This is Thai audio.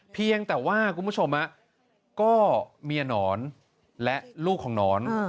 เพียงแต่ว่าคุณผู้ชมก็เมียหนอนและลูกของหนอน